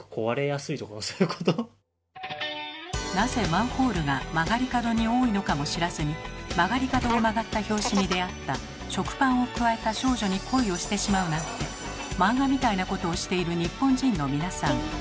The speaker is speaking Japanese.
なぜマンホールが曲がり角に多いのかも知らずに曲がり角を曲がった拍子に出会った食パンをくわえた少女に恋をしてしまうなんて漫画みたいなことをしている日本人の皆さん。